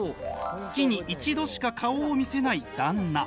月に一度しか顔を見せない旦那。